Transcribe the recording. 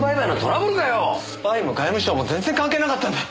スパイも外務省も全然関係なかったんだ。